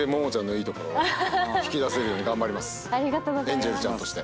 エンジェルちゃんとして。